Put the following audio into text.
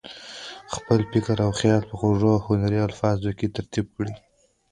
خپل فکر او خیال په خوږو او هنري الفاظو کې ترتیب کړي.